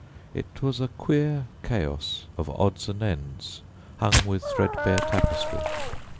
It was a queer chaos of odds and ends, hung with threadbare tapestry.